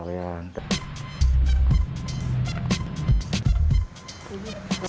masyarakat laweyan mendirikan kampung batik laweyan